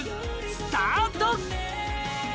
スタート！